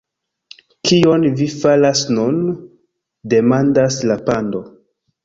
"Kion vi faras nun?" demandas la pando.